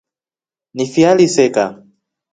Ni fi aliseka.